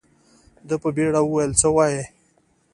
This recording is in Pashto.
ده په بيړه وويل څه وايې.